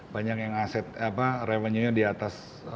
banyak yang aset revenue nya di atas